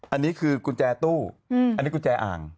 อันนี้คือกุญแจตู้อันนี้กุญแจอ่าง